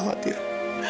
kau mau persons